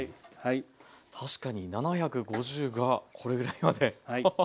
確かに７５０がこれぐらいまでアハハ。